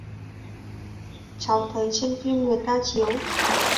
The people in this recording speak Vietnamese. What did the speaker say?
cháu thấy trên phim người ta chiếu